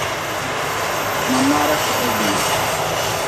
Ma maara ka he bii.